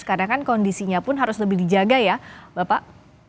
karena kan kondisinya pun harus lebih dijaga ya bapak